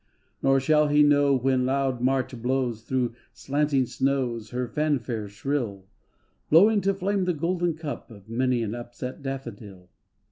Nor shall he know when loud March blows Thro' slanting snows her fanfare shrill, Blowing to flame the golden cup Of many an upset daffodil.